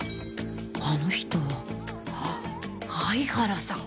あの人は、相原さん！